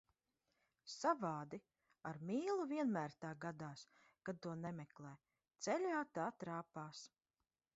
Savādi, ar mīlu vienmēr tā gadās, kad to nemeklē, ceļā tā trāpās.